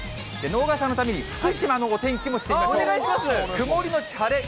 直川さんのために福島のお天気もしてみましょう。